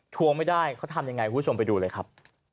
ทวงไม่ได้เขาทำยังไงคุณผู้ชมไปดูเลยครับ